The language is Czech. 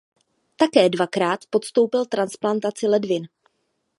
Také dvakrát podstoupil transplantaci ledvin.